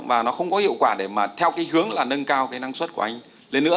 và nó không có hiệu quả để mà theo cái hướng là nâng cao cái năng suất của anh lên nữa